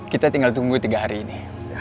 kita tinggal tunggu tiga hari ini